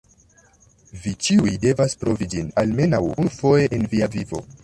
Vi ĉiuj devas provi ĝin, almenaŭ unufoje en via vivo.